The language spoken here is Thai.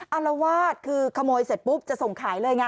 อารวาสคือขโมยเสร็จปุ๊บจะส่งขายเลยไง